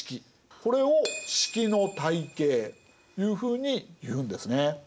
これを職の体系というふうにいうんですね。